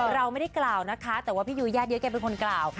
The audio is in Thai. เราไม่ได้กล่าวนะคะแต่ว่าพี่ยุ้ยญาติเยอะแกเป็นคนกล่าว